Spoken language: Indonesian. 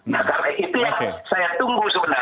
nah karena itu saya tunggu sebenarnya